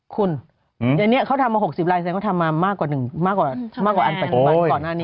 คุณอันนี้เขาทำมา๖๐ลายเซ็นต์ก็ทำมามากกว่าอัน๘๐บันก่อนอันนี้